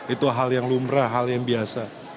itu hal yang lumrah hal yang biasa